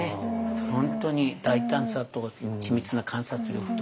本当に大胆さと緻密な観察力と。